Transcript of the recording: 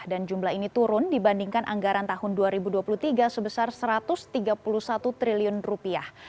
dan jumlah ini turun dibandingkan anggaran tahun dua ribu dua puluh tiga sebesar satu ratus tiga puluh satu triliun rupiah